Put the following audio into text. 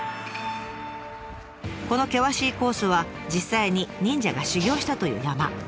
この険しいコースは実際に忍者が修行したという山。